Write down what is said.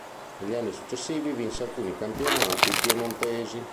Negli anni successivi vinse alcuni campionati piemontesi.